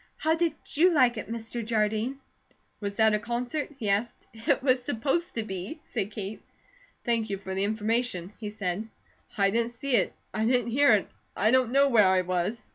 How did you like it, Mr. Jardine?" "Was that a concert?" he asked. "It was supposed to be," said Kate. "Thank you for the information," he said. "I didn't see it, I didn't hear it, I don't know where I was."